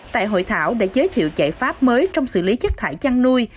tại hội thảo đã giới thiệu giải pháp mới trong xử lý chất thải chăn nuôi